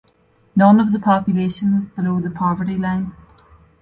None of the population was below the poverty line.